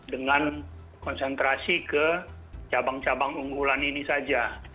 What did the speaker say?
dengan konsentrasi ke cabang cabang unggulan ini saja